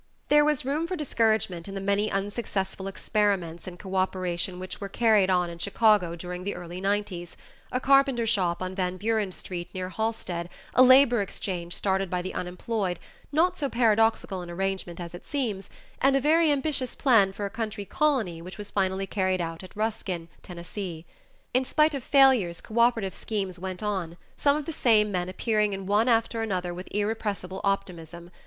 There was room for discouragement in the many unsuccessful experiments in cooperation which were carried on in Chicago during the early nineties; a carpenter shop on Van Buren Street near Halsted, a labor exchange started by the unemployed, not so paradoxical an arrangement as it seems, and a very ambitious plan for a country colony which was finally carried out at Ruskin, Tennessee. In spite of failures, cooperative schemes went on, some of the same men appearing in one after another with irrepressible optimism.